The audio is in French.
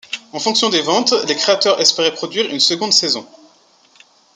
En fonction des ventes, les créateurs espéraient produire une seconde saison.